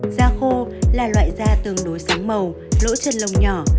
da khô là loại da tương đối sáng màu lỗ chân lông nhỏ